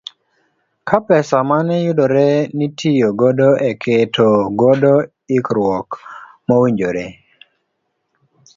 Ka pesa mane yudore nitiyo godo e keto godo ikruok mowinjore.